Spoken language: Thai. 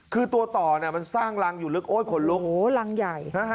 คือตัวต่อมันสร้างรังอยู่ลึกโอ๊ยขนลุกโอ้โหรังใหญ่